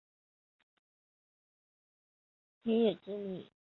天野之弥准备派遣总署的核能专家在第一时间飞往日本。